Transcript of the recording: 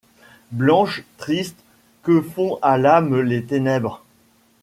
Blanches, tristes, que font à l’âme les ténèbres ;